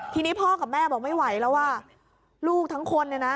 ทีนี้พ่อกับแม่บอกไม่ไหวแล้วอ่ะลูกทั้งคนเนี่ยนะ